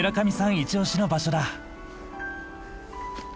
イチオシの場所だ。